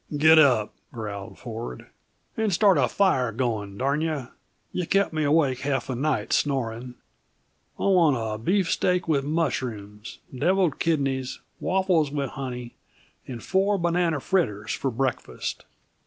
"Get up," growled Ford, "and start a fire going, darn you. You kept me awake half the night, snoring. I want a beefsteak with mushrooms, devilled kidneys, waffles with honey, and four banana fritters for breakfast.